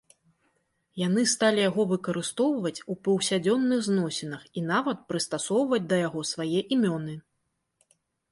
Яны сталі яго выкарыстоўваць у паўсядзённых зносінах і нават прыстасоўваць да яго свае імёны.